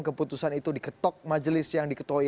keputusan itu diketok majelis yang diketuai